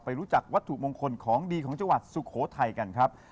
รู้จักวัตถุมงคลของดีของจังหวัดสุโขทัยกันครับ